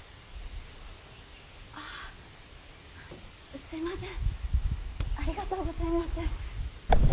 あすみませんありがとうございます。